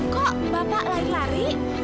kok bapak lari lari